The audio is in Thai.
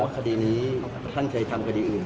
คดีนี้ท่านเคยทำคดีอื่น